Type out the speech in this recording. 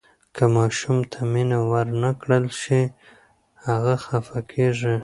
که ماشوم ته مینه ورنکړل شي، هغه خفه کیږي.